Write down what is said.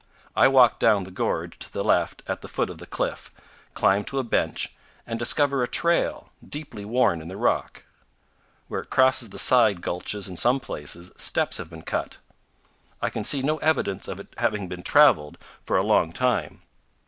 I walk down the gorge to the left at the foot of the cliff, climb to a bench, and discover a trail, deeply worn in the rock. Where it crosses the side gulches in some 242 CANYONS OF THE COLORADO. places steps have been cut. I can see no evidence of its having been traveled for a long time.